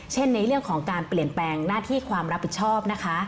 ในเรื่องของการเปลี่ยนแปลงหน้าที่ความรับผิดชอบนะคะ